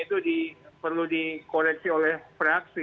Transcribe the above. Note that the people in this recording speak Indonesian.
itu perlu dikoreksi oleh fraksi